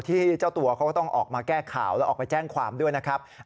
ที่เจ้าตัวเขาก็ต้องออกมาแก้ข่าวแล้วออกไปแจ้งความด้วยนะครับ